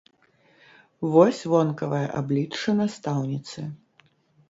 Вось вонкавае аблічча настаўніцы.